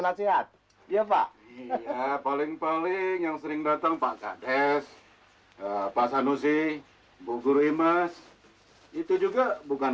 nasihat ya pak paling paling yang sering datang pak kates pasanusi buku rimas itu juga bukan